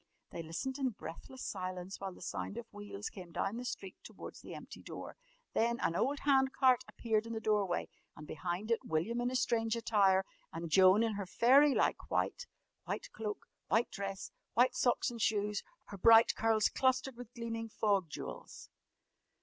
They listened in breathless silence, while the sound of wheels came down the street towards the empty door. Then an old hand cart appeared in the doorway and behind it William in his strange attire, and Joan in her fairy like white white cloak, white dress, white socks and shoes her bright curls clustered with gleaming fog jewels.